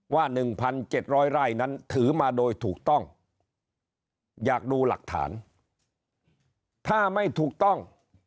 ว่าหนึ่งพันเจ็ดร้อยไร่นั้นถือมาโดยถูกต้องอยากดูหลักฐานถ้าไม่ถูกต้อง